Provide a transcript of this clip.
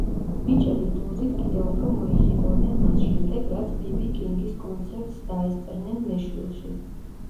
ბიჭები ბლუზით კიდევ უფრო მოიხიბლნენ მას შემდეგ, რაც ბი ბი კინგის კონცერტს დაესწრნენ ნეშვილში.